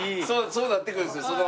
そうなってくるんですよ。